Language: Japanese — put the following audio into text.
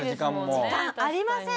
時間ありません。